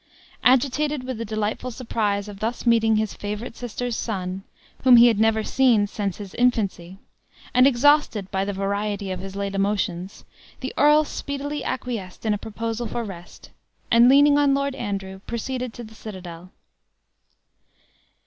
Agitated with the delightful surprise of thus meeting his favorite sister's son (whom he had never seen since his infancy), and exhausted by the variety of his late emotions, the earl speedily acquiesced in a proposal for rest, and leaning on Lord Andrew, proceeded to the citadel.